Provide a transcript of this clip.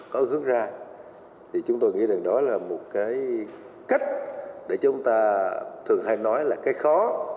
có hướng ra thì chúng tôi nghĩ rằng đó là một cái cách để chúng ta thường hay nói là cái khó